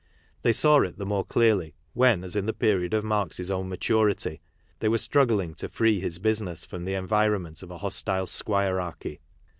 They saw it the more clearly when, as in the period of Marx's own maturity, they were struggling to free his business from the environment of a hostile squirearchy.